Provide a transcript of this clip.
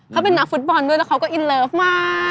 เขาเป็นนักฟุตบอลด้วยแล้วเขาก็อินเลิฟมาก